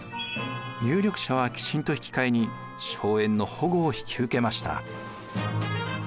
有力者は寄進と引き換えに荘園の保護を引き受けました。